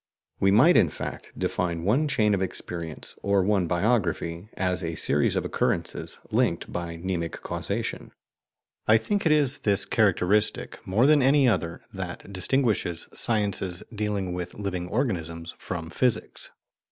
We might, in fact, define one chain of experience, or one biography, as a series of occurrences linked by mnemic causation. I think it is this characteristic, more than any other, that distinguishes sciences dealing with living organisms from physics.